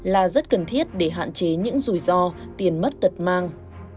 là rất cần thiết để hạn chế những rủi ro tiền mất tật mang